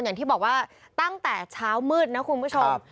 อย่างที่บอกว่าตั้งแต่เช้ามืดนะคุณผู้ชม